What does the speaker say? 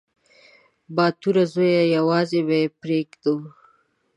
_باتوره زويه! يوازې به يې پرېږدو.